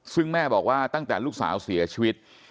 ซึ่งแม่บอกว่าตั้งแต่ลูกสาวเสียชีวิต